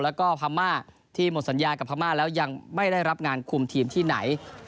แล้วก็พม่าที่หมดสัญญากับพม่าแล้วยังไม่ได้รับงานคุมทีมที่ไหน